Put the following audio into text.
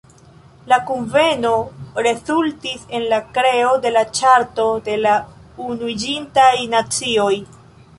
La kunveno rezultis en la kreo de la Ĉarto de la Unuiĝintaj Nacioj.